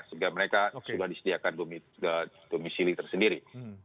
sehingga mereka sudah disediakan domisili tersendiri